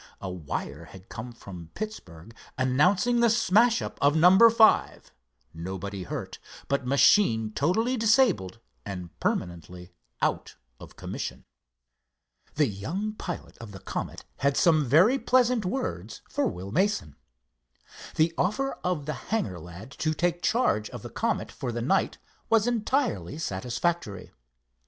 A wire had come from Pittsburgh announcing the smash—up of number five, nobody hurt, but machine totally disabled and permanently out of commission. The young pilot of the Comet had some very pleasant words for Will Mason. The offer of the hangar lad to take charge of the Comet for the night was entirely satisfactory.